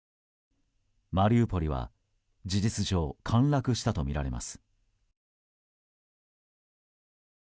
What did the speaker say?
マリウポリは事実上陥落したとみられます。